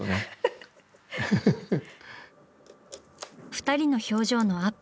２人の表情のアップ。